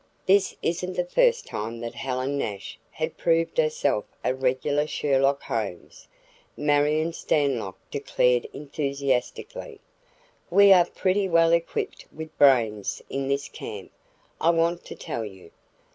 "This isn't the first time that Helen Nash has proved herself a regular Sherlock Holmes," Marion Stanlock declared enthusiastically. "We are pretty well equipped with brains in this camp, I want to tell you.